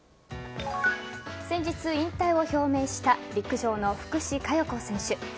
先日、引退を表明した陸上の福士加代子選手。